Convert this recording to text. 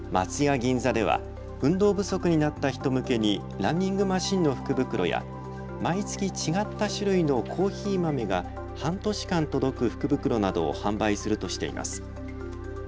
銀座では運動不足になった人向けにランニングマシンの福袋や毎月違った種類のコーヒー豆が半年間、届く福袋などを販売するとしています。